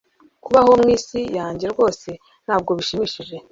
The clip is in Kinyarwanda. kubaho mwisi yanjye rwose ntabwo bishimishije